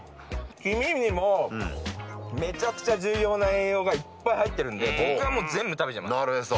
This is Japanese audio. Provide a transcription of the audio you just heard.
黄身にもめちゃくちゃ重要な栄養がいっぱい入ってるんで僕はもう全部食べちゃいます。